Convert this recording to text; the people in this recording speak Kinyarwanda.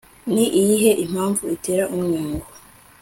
ni iyihe impamvu itera umwingo